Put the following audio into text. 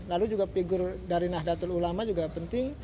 lalu juga figur dari nahdlatul ulama juga penting